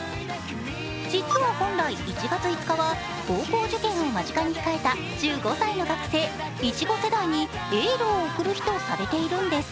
実は本来、１月５日は高校受験を間近に控えた１５歳の学生、いちご世代にエールを送る日とされているんです。